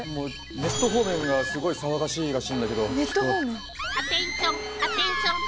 ネット方面がすごい騒がしいらしいんだけど。